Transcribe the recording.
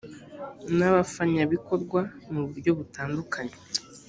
n abafanyabikorwa mu buryo butandukanye